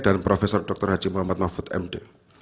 dan profesor dr haji muhammad mahfud md